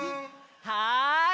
はい。